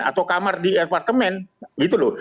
atau kamar di apartemen gitu loh